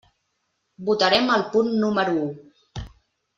Votarem el punt número u.